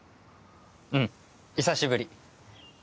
うん久しぶり。